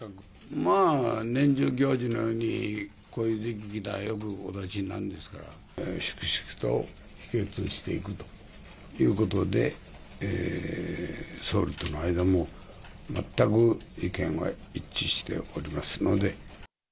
年中行事のようにこういう時期が来たら、よくお出しになりますから、粛々と否決をしていくということで、総理との間も全く意見は一致しておりますので。